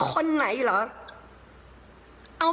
คนไหนหรออีกวันนี้คือพอ